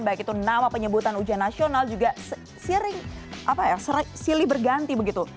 baik itu nama penyebutan ujian nasional juga sering silih berganti begitu